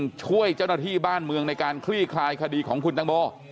ช่วยเจ้าหน้าที่บ้านเมืองในการคลี่คลายคดีของคุณตังโม